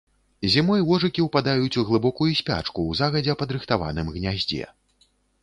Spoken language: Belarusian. Зімой вожыкі ўпадаюць у глыбокую спячку ў загадзя падрыхтаваным гняздзе.